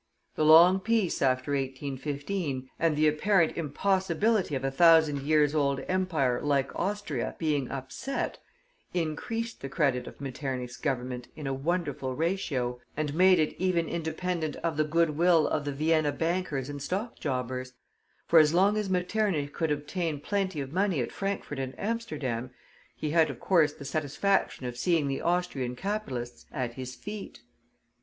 The long peace after 1815, and the apparent impossibility of a thousand years old empire, like Austria, being upset, increased the credit of Metternich's Government in a wonderful ratio, and made it even independent of the good will of the Vienna bankers and stock jobbers; for as long as Metternich could obtain plenty of money at Frankfort and Amsterdam, he had, of course, the satisfaction of seeing the Austrian capitalists at his feet.